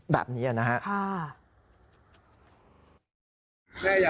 แบบนี้นะฮะ